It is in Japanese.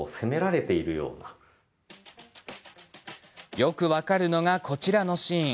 よく分かるのが、こちらのシーン。